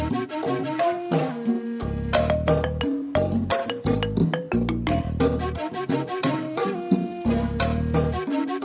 aku keundaran ito port solamente